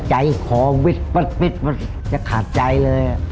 ใจขอวิทย์จะขาดใจเลย